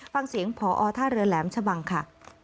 ฟังเสียงพอท่าเรือแหลมชะบังค่ะ